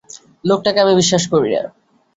লোকটাকে আমি বিশ্বাস করি না।